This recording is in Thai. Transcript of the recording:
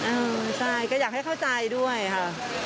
เออใช่ก็อยากให้เข้าใจด้วยค่ะ